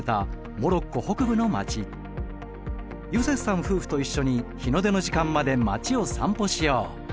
ユセフさん夫婦と一緒に日の出の時間まで街を散歩しよう。